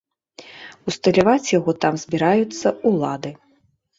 Усталяваць яго там збіраюцца ўлады.